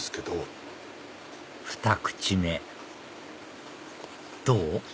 ２口目どう？